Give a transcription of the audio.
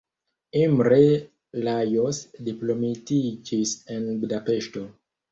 Imre Lajos diplomitiĝis en Budapeŝto.